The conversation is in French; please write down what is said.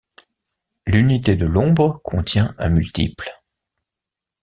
L’unité de l’ombre contient un multiple.